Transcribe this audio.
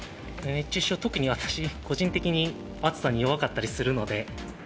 熱中症、特に私、個人的に暑さに弱かったりするので。